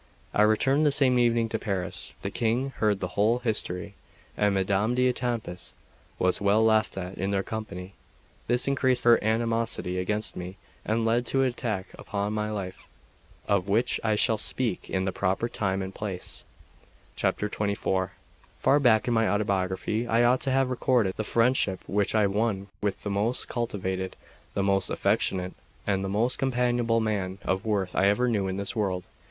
I returned the same evening to Paris. The King heard the whole history, and Madame d'Etampes was well laughed at in their company. This increased her animosity against me, and led to an attack upon my life, of which I shall speak in the proper time and place. XXIV FAR back in my autobiography I ought to have recorded the friendship which I won with the most cultivated, the most affectionate, and the most companionable man of worth I ever knew in this world.